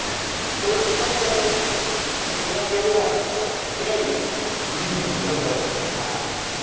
スープカレーのイメージよりはクリーミーなスープを目指して。